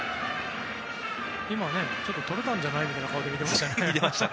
今、取れたんじゃないみたいな顔で見てましたよね。